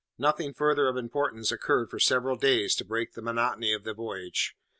Nothing further of importance occurred for several days to break the monotony of the voyage.